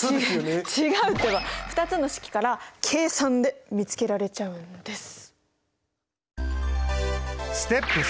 ２つの式から計算で見つけられちゃうんです。